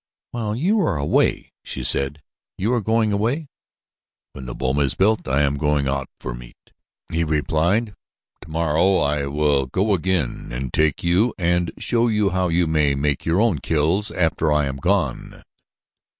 "While you are away " she said. "You are going away?" "When the boma is built I am going out after meat," he replied. "Tomorrow I will go again and take you and show you how you may make your own kills after I am gone."